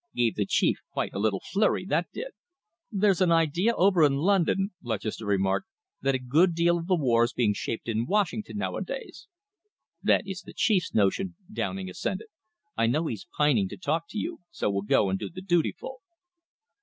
Gave the Chief quite a little flurry, that did." "There's an idea over in London," Lutchester remarked, "that a good deal of the war is being shaped in Washington nowadays." "That is the Chief's notion," Downing assented. "I know he's pining to talk to you, so we'll go and do the dutiful."